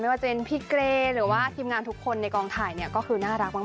ว่าจะเป็นพี่เกรหรือว่าทีมงานทุกคนในกองถ่ายเนี่ยก็คือน่ารักมาก